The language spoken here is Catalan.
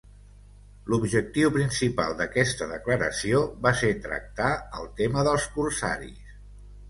L'objectiu principal d'aquesta declaració va ser tractar el tema dels corsaris.